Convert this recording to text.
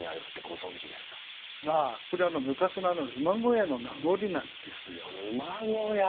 あこれ昔のあの馬小屋の名残なんですよ。